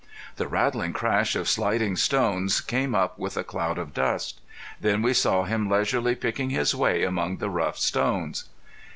The rattling crash of sliding stones came up with a cloud of dust. Then we saw him leisurely picking his way among the rough stones.